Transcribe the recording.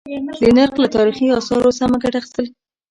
د نرخ له تاريخي آثارو سمه گټه اخيستل: